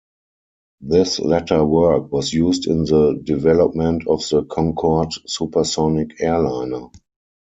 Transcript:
This latter work was used in the development of the Concorde supersonic airliner.